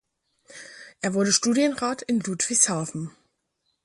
Er wurde Studienrat in Ludwigshafen.